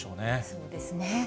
そうですね。